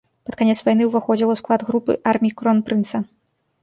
Пад канец вайны ўваходзіла ў склад групы армій кронпрынца.